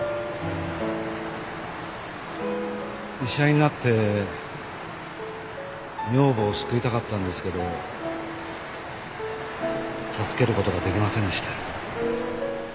医者になって女房を救いたかったんですけど助ける事が出来ませんでした。